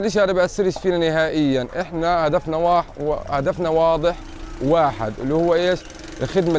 kita harus berdoa untuk mengembangkan mereka